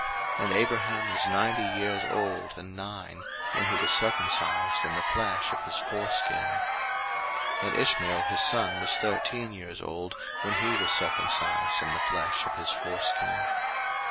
01:017:024 And Abraham was ninety years old and nine, when he was circumcised in the flesh of his foreskin. 01:017:025 And Ishmael his son was thirteen years old, when he was circumcised in the flesh of his foreskin.